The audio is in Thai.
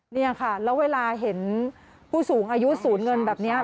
นี่ค่ะแล้วเวลาเห็นผู้สูงอายุศูนย์เงินแบบนี้